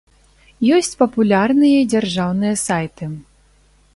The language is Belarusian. Ёсць папулярныя і дзяржаўныя сайты.